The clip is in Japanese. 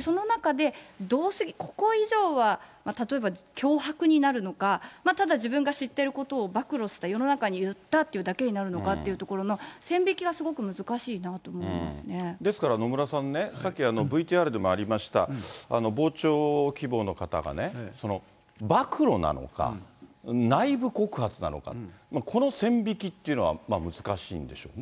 その中で、どうせここ以上は例えば脅迫になるのか、ただ自分が知ってることを暴露した、世の中に言ったっていうだけになるのかっていうところの線引きがですから、野村さんね、さっきＶＴＲでもありました、傍聴希望の方がね、暴露なのか、内部告発なのか、この線引きっていうのは難しいんでしょうね。